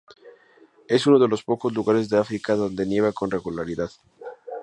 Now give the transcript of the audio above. Es uno de los poco lugares de África donde nieva con regularidad.